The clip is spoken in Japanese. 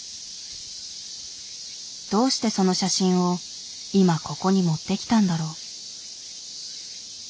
どうしてその写真を今ここに持ってきたんだろう？